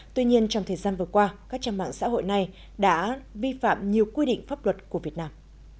tuy nhiên trong thời gian vừa qua các trang mạng xã hội này đã vi phạm nhiều quy định pháp luật của việt nam